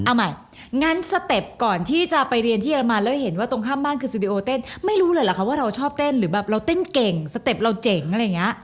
เอาใหม่งั้นสเต็ปก่อนที่จะไปเรียนที่เรมันแล้วเห็นว่าตรงข้ามบ้านคือสตูดิโอเต้นไม่รู้เลยเหรอคะว่าเราชอบเต้นหรือแบบเราเต้นเก่งสเต็ปเราเจ๋งอะไรอย่างเงี้ย